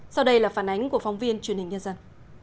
sau đây là phản ánh của phóng viên truyền hình nhân dân